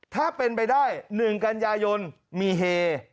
ถ้าเป็นไปได้๑กันยายนมีเฮ